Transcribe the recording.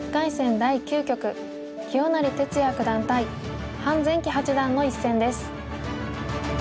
第９局清成哲也九段対潘善八段の一戦です。